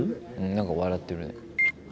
なんか笑ってるね。